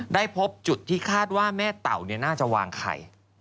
พบจุดที่คาดว่าแม่เต่าน่าจะวางไข่